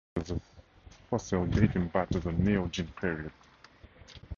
It preserves fossils dating back to the Neogene period.